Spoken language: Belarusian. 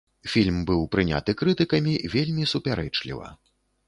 Фільм быў прыняты крытыкамі вельмі супярэчліва.